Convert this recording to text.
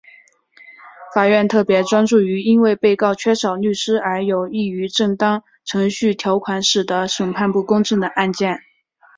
法院特别专注于因为被告缺少律师而有异于正当程序条款使得审判不公正的案件。